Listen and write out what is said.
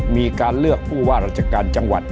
มีการเลือกผู้ว่าราชการจังหวัด